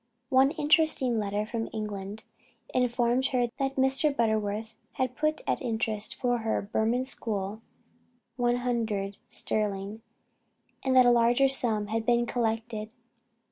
One interesting letter from England informed her that Mr. Butterworth had put at interest for her Burman school £100 sterling, and that a larger sum had been collected.